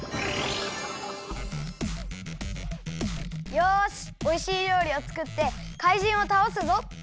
よしおいしいりょうりをつくってかいじんをたおすぞ！